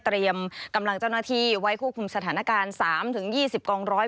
กำลังเจ้าหน้าที่ไว้ควบคุมสถานการณ์๓๒๐กองร้อย